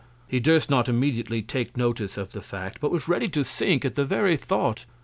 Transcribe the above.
He durst not immediately take Notice of the Fact; but was ready to sink at the very Thoughts on't.